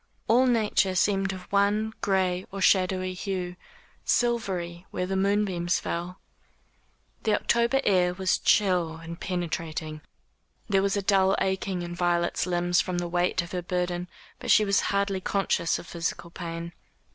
All nature seemed of one gray or shadowy hue silvery where the moonbeams fell. The October air was chill and penetrating. There was a dull aching in Violet's limbs from the weight of her burden, but she was hardly conscious of physical pain.